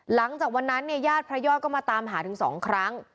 หลังจากนั้นเนี่ยญาติพระยอดก็มาตามหาถึง๒ครั้ง